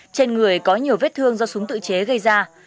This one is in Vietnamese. trên người có nhiều vết thương do súng tự chế gây ra